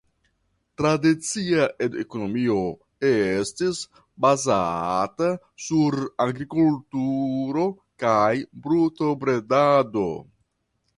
Tradicia ekonomio estis bazata sur agrikulturo kaj brutobredado.